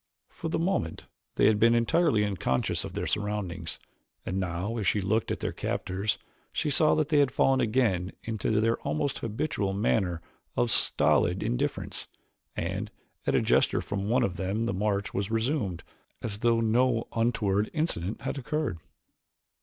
For the moment they had been entirely unconscious of their surroundings and now as she looked at their captors she saw that they had fallen again into their almost habitual manner of stolid indifference, and at a gesture from one of them the march was resumed as though no untoward incident had occurred.